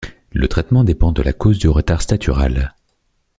Le traitement dépend de la cause du retard statural.